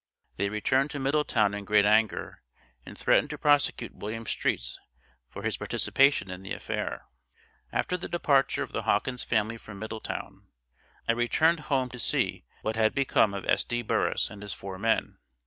They returned to Middletown in great anger, and threatened to prosecute William Streets for his participation in the affair. After the departure of the Hawkins family from Middletown, I returned home to see what had become of S.D. Burris and his four men.